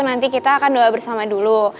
nanti kita akan doa bersama dulu